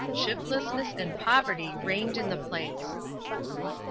Shiftlessness and poverty reigned in the place.